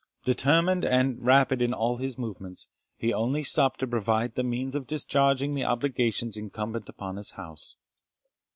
Determined and rapid in all his movements, he only stopped to provide the means of discharging the obligations incumbent on his house.